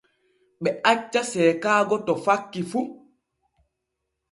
Ɓe acca seekaago to fakki fu.